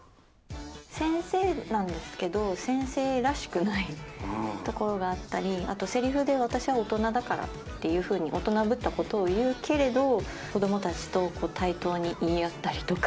先生なんですけど、先生らしくないところがあったり、あと、せりふで私は大人だからって、大人ぶったことを言うけれど、子どもたちと対等に言い合ったりとか。